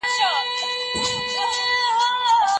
موږ بايد د دليل په ژبه خبري وکړو.